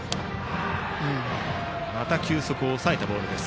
また球速を抑えたボールです。